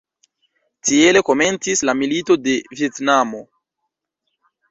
Tiele komencis la Milito de Vjetnamo.